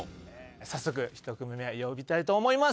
早速１組目呼びたいと思います